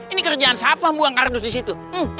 ini kerjaan siapa buang kardus disitu